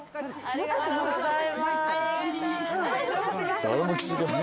ありがとうございます。